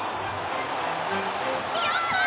やったー！